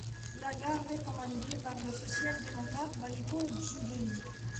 La garde est commandée par le social-démocrate Valiko Djoughéli.